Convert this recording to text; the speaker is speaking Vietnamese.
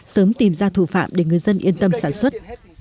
sớm tìm ra thủ phạm để người dân yên tâm sản xuất